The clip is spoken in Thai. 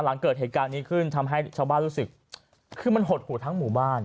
หลังเกิดเหตุการณ์นี้ขึ้นทำให้ชาวบ้านรู้สึกคือมันหดหูทั้งหมู่บ้าน